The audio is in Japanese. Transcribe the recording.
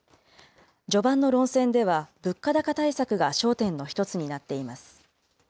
序盤の論戦では、物価高対策が焦点の１つになっています。